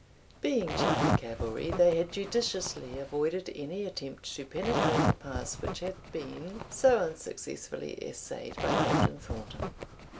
Being chiefly cavalry, they had judiciously avoided any attempt to penetrate the pass which had been so unsuccessfully essayed by Captain Thornton.